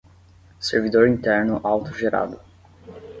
Servidor interno autogerado